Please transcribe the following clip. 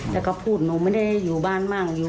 แล้วก็พูดหนูไม่ได้อยู่บ้านมาก